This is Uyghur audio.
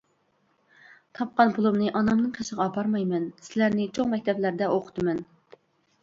تاپقان پۇلۇمنى ئانامنىڭ قېشىغا ئاپارمايمەن، سىلەرنى چوڭ مەكتەپلەردە ئوقۇتىمەن.